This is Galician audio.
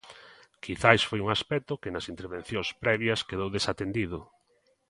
Quizais foi un aspecto que nas intervencións previas quedou desatendido.